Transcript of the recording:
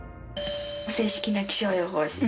正式な気象予報士。